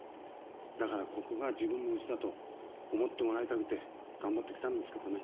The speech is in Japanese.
だからここが自分の家だと思ってもらいたくて頑張ってきたんですけどね。